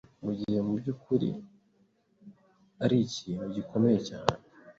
mugihe mubyukuri arikintu gikomeye cyane